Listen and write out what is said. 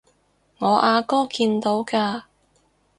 我阿哥見到㗎